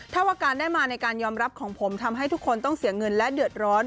ถ้าว่าการได้มาในการยอมรับของผมทำให้ทุกคนต้องเสียเงินและเดือดร้อน